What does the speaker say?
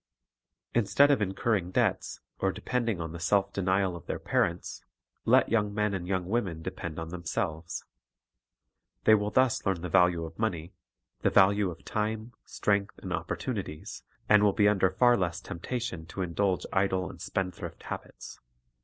Instead of incurring debts, or depend ing on the self denial of their parents, let young men and young women depend on. themselves. The)' will thus learn the value of money, the value of time, strength, and opportunities, and will be under far less temptation to indulge idle and spendthrift habits.